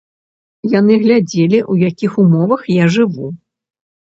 Яны глядзелі, у якіх умовах я жыву.